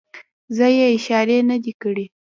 زه یې اشارې نه دي کړې.